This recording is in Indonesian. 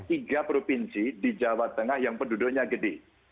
tiga provinsi di jawa tengah yang penduduknya gede